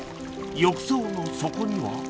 浴槽の底には